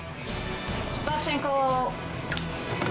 出発進行。